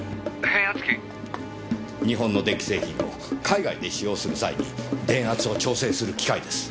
日本の電気製品を海外で使用する際に電圧を調整する機械です。